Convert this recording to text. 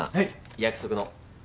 約束の。